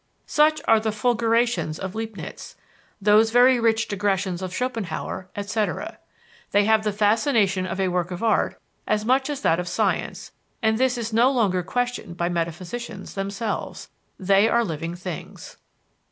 Such are the "fulgurations" of Leibniz, those very rich digressions of Schopenhauer, etc. They have the fascination of a work of art as much as that of science, and this is no longer questioned by metaphysicians themselves; they are living things.